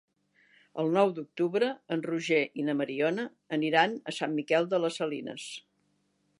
El nou d'octubre en Roger i na Mariona aniran a Sant Miquel de les Salines.